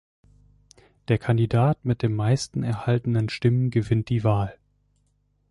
Der Kandidat mit den meisten erhaltenen Stimmen gewinnt die Wahl.